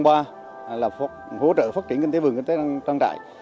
để phát triển kinh tế vườn kinh tế